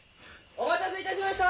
お待たせしました！